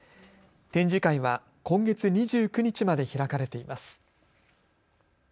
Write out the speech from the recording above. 展示会は今月２９日まで開かれています。